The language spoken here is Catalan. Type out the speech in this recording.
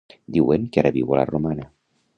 Diuen que ara viu a la Romana.